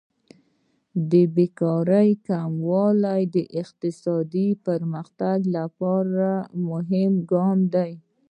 د بیکارۍ کمول د اقتصادي پرمختګ لپاره مهم ګام دی.